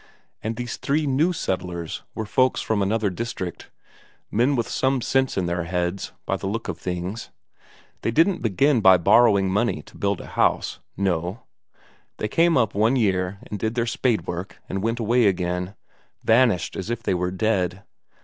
And these three new settlers were folks from another district; men with some sense in their heads, by the look of things. They didn't begin by borrowing money to build a house; no, they came up one year and did their spade work and went away again; vanished as if they were dead.